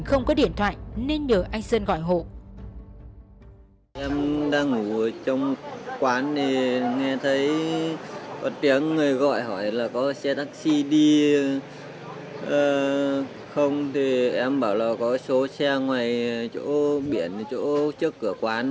cùng với việc tập trung xác minh sàng lọc các tổ công tác của công an huyện lạc sơn